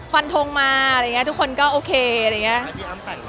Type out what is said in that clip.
ฟันทงมาอะไรอย่างนี้ทุกคนก็โอเคอะไรอย่างนี้